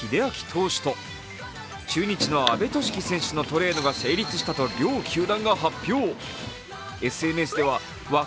投手と中日の阿部寿樹選手のトレードが成立したと両球団が発表。